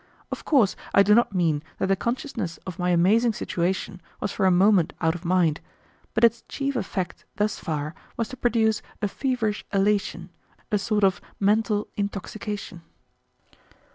Of course I do not mean that the consciousness of my amazing situation was for a moment out of mind, but its chief effect thus far was to produce a feverish elation, a sort of mental intoxication.